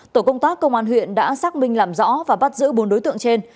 tổ công tác công an huyện đã xác minh làm rõ và bắt giữ bốn đối tượng trên